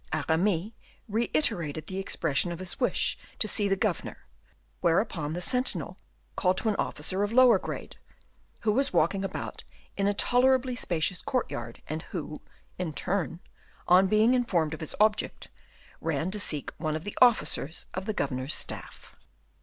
Aramis reiterated the expression of his wish to see the governor; whereupon the sentinel called to an officer of lower grade, who was walking about in a tolerably spacious courtyard and who, in turn, on being informed of his object, ran to seek one of the officers of the governor's staff.